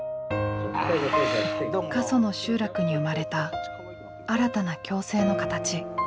過疎の集落に生まれた新たな共生の形。